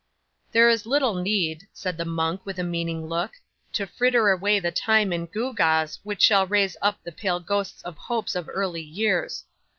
'"There is little need," said the monk, with a meaning look, "to fritter away the time in gewgaws which shall raise up the pale ghosts of hopes of early years.